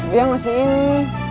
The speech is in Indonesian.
dia masih ini